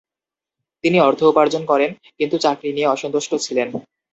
তিনি অর্থ উপার্জন করেন, কিন্তু চাকরি নিয়ে অসন্তুষ্ট ছিলেন।